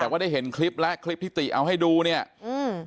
แต่ว่าได้เห็นคลิปและคลิปที่ติเอาให้ดูเนี่ยอืม